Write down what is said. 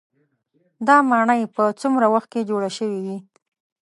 دا ماڼۍ په څومره وخت کې جوړې شوې وي.